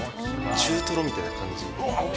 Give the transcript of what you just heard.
中トロみたいな感じです。